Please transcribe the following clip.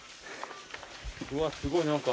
うわすごい何か。